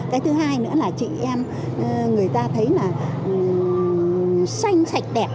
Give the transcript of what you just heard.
cái thứ hai nữa là chị em người ta thấy là xanh sạch đẹp